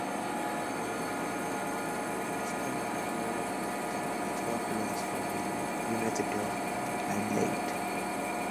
Forster graduated with a Bachelor of Laws from the University of Adelaide.